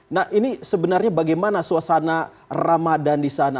nah ini sebenarnya bagaimana suasana ramadan di sana